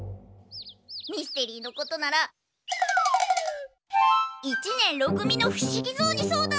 ミステリーのことなら一年ろ組の伏木蔵に相談！